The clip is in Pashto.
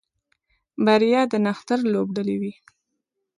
بریا به د نښتر لوبډلې وي